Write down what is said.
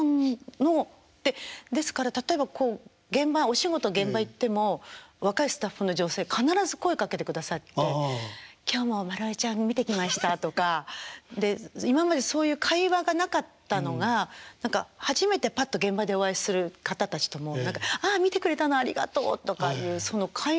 ですから例えばこうお仕事現場行っても若いスタッフの女性必ず声かけてくださって「今日もマルオレちゃん見てきました」とか。で今までそういう会話がなかったのが何か初めてぱっと現場でお会いする方たちとも「ああ見てくれたのありがとう」とかいうその会話の一つになってるんです。